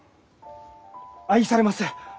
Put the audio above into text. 愛されます！